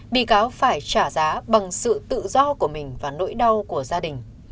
bị cáo phải trả giá bằng sự tự do của mình và nỗi đau của gia đình